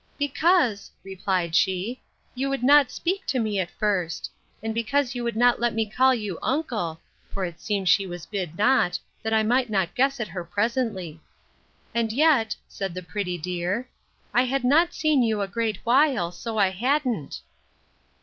Because, replied she, you would not speak to me at first! And because you would not let me call you uncle (for it seems she was bid not, that I might not guess at her presently): and yet, said the pretty dear, I had not seen you a great while, so I hadn't.